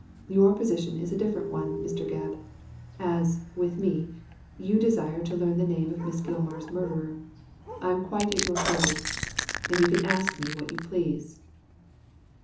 Your position is a different one, Mr. Gebb ; as, with me, you desire to learn the name of Miss Gilmar's murderer. I am quite at your service, and you can ask me what you please."